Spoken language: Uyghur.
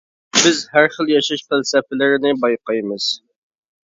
بىز ھەر خىل ياشاش پەلسەپىلىرىنى بايقايمىز.